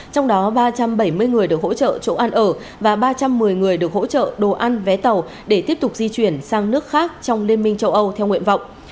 trong đó ba trăm bảy mươi người được hỗ trợ chỗ ăn ở và ba trăm một mươi người được hỗ trợ